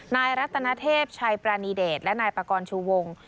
รัตนเทพชัยปรานีเดชและนายปากรชูวง